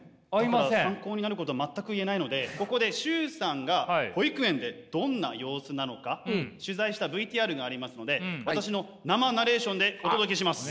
だから参考になることは全く言えないのでここで崇さんが保育園でどんな様子なのか取材したＶＴＲがありますので私の生ナレーションでお届けします。